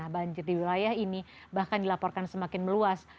banjir di wilayah ini bahkan dilaporkan semakin meluas